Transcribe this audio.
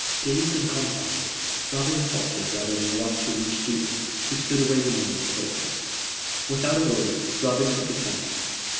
Dazed and confounded, Robin faltered rather than walked to reach Stuteley, who stood awaiting him in the courtyard. Without a word, Robin took his hand.